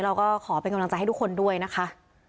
เราก็ขอเป็นกำลังใจให้ทุกคนด้วยนะคะ